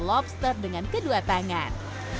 lobster dengan kedua tangan